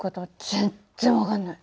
全然分かんない。